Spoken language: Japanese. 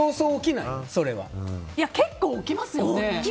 結構起きますよね。